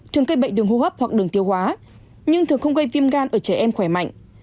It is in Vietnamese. thường gây bệnh đường hô hấp hoặc đường tiêu hóa nhưng thường không gây viêm gan ở trẻ em khỏe mạnh